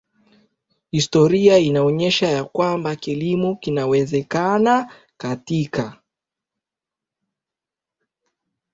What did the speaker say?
Historia inaonyesha ya kwamba kilimo kinawezekana katika